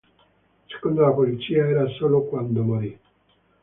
Secondo la polizia, era solo quando morì.